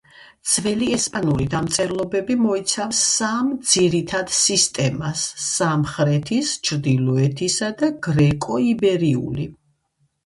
ძველი ესპანური დამწერლობები მოიცავს სამ ძირითად სისტემას: სამხრეთის, ჩრდილოეთისა და გრეკო–იბერიული.